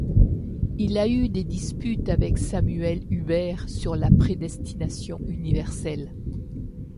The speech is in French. Il a eu des disputes avec Samuel Huber sur la prédestination universelle.